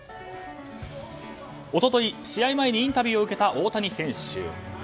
一昨日、試合前にインタビューを受けた大谷選手。